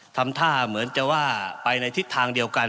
ทำท่าเหมือนจะว่าไปในทิศทางเดียวกัน